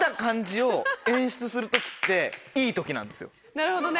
なるほどね。